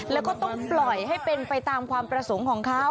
แล้วก็ต้องปล่อยให้เป็นไปตามความประสงค์ของเขา